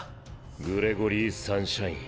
グレゴリー・サンシャイン。